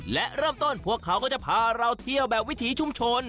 และเริ่มต้นพวกเขาก็จะพาเราเที่ยวแบบวิถีชุมชน